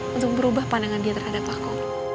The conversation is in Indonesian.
untuk merubah pandangan dia terhadap aku